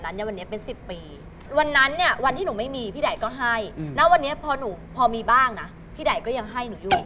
แล้วอย่างพี่ไหนล่ะคะ